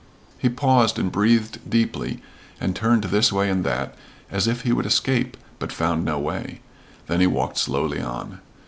He paused and breathed deeply, and turned this way and that, as if he would escape but found no way; then he walked slowly on.